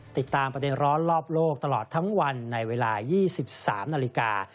ติดตามประเด็นร้อนรอบโลกตลอดทั้งวันในเวลา๒๓นาฬิกา